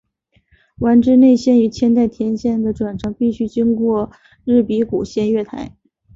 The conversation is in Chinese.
丸之内线与千代田线的转乘必须经过日比谷线月台。